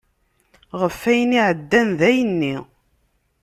Ɣef ayen iɛeddan dayenni.